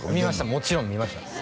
もちろん見ました